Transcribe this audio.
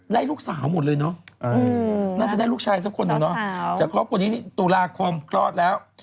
ได้ลูกสาวหมดเลยเนอะน่าจะได้ลูกชายสักคนอะเนาะจากครอบครัวนี้นี่ตุลาคมคลอดแล้ว